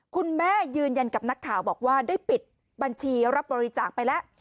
ยืนยันกับนักข่าวบอกว่าได้ปิดบัญชีรับบริจาคไปแล้ว